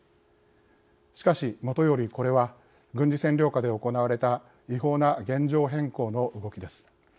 しかし、もとよりこれは軍事占領下で行われた違法な現状変更の動きです。